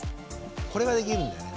これができるんだよね